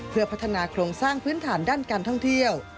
เพื่อพัฒนาโครงสร้างพื้นฐานด้านการท่องเที่ยว